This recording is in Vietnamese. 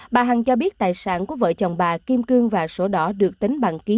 bà hằng cho biết tài sản của vợ chồng bà kim cương và sổ đỏ được tính bằng ký